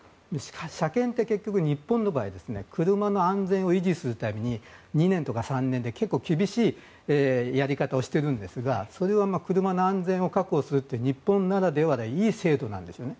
車検って結局、日本の場合車の安全を維持するために２年とか３年で、結構厳しいやり方をしているんですがそれは車の安全を確保する日本ならではのいい制度なんですね。